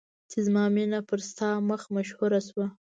چې زما مینه پر ستا مخ مشهوره شوه.